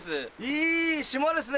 いい島ですね